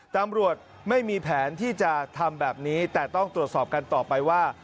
ตำรวจไม่มีแผนที่จะทำแบบนี้แต่ต้องตรวจสอบกันต่อไปว่า